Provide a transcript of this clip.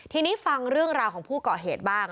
ทีนี้ฟังเรื่องราวของผู้เกาะเหตุบ้าง